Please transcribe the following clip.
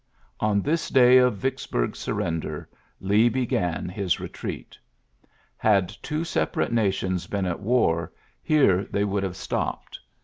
On this day of Vicksburg' s surrender, Lee began his retreat. Had two separate nations [been at war, here they would have stopped.